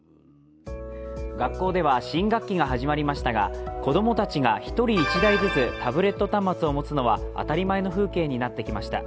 学校では新学期が始まりましたが、子供たちが１人１台ずつタブレット端末を持つのは当たり前の風景になってきました。